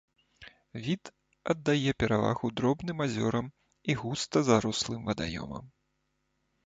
Від аддае перавагу дробным азёрам і густа зарослым вадаёмам.